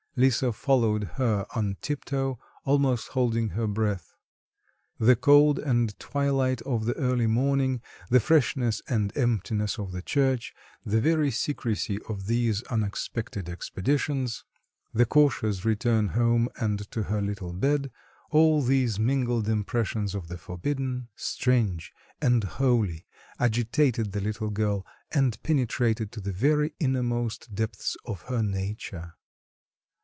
Lisa followed her on tiptoe, almost holding her breath. The cold and twilight of the early morning, the freshness and emptiness of the church, the very secrecy of these unexpected expeditions, the cautious return home and to her little bed, all these mingled impressions of the forbidden, strange, and holy agitated the little girl and penetrated to the very innermost depths of her nature.